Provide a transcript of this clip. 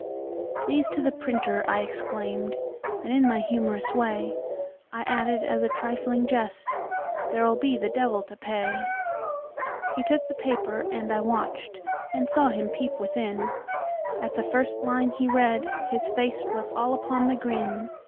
"These to the printer," I exclaimed, And, in my humorous way,I added (as a trifling jest,)"There 'll be the devil to pay."He took the paper, and I watched, And saw him peep within; At the first line he read, his faceWas all upon the grin.